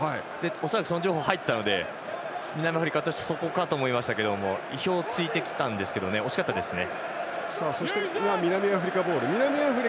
恐らく、その情報は入っていたので南アフリカとしたらそこかと思いましたが意表を突いてきたんですが惜しかったですね。